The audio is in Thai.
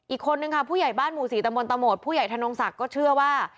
อีกคนนึงค่ะผู้ใหญ่บ้านหมู่๔ตะมนตะโหมดผู้ใหญ่ธนงศักดิ์ก็เชื่อว่า